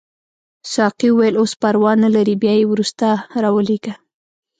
ساقي وویل اوس پروا نه لري بیا یې وروسته راولېږه.